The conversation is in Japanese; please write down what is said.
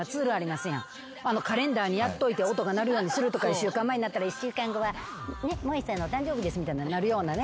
カレンダーにやっといて音が鳴るようにするとか１週間前になったら「１週間後は萌さんの誕生日です」みたいな鳴るようなね。